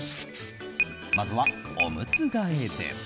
まずは、おむつ替えです。